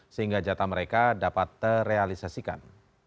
sehingga jatah mereka dapat terrealisasikan